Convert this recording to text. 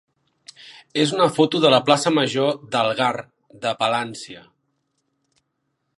és una foto de la plaça major d'Algar de Palància.